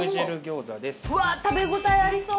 うわっ食べ応えありそう！